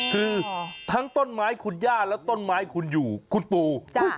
คือทั้งต้นไม้คุณย่าและต้นไม้คุณอยู่คุณปู